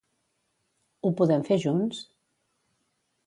Ho podem fer junts?